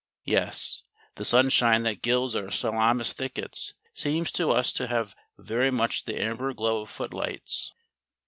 Yes, the sunshine that gilds our Salamis thickets seems to us to have very much the amber glow of footlights.